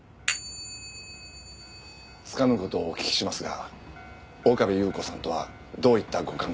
つかぬ事をお聞きしますが岡部祐子さんとはどういったご関係で？